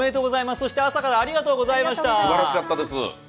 すばらしかったです。